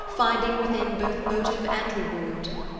Finding within both motive and reward.